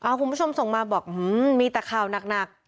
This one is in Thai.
คุณผู้ชมส่งมาบอกมีแต่ข่าวหนัก